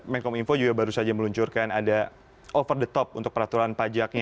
menkom info juga baru saja meluncurkan ada over the top untuk peraturan pajaknya